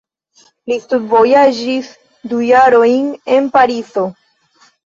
Li studvojaĝis du jarojn en Parizo.